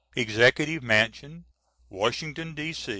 ] EXECUTIVE MANSION Washington, D.